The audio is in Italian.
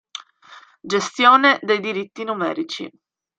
Gestione dei diritti numerici.